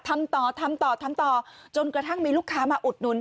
ทำต่อจนกระทั่งมีลูกค้ามาอุดนุน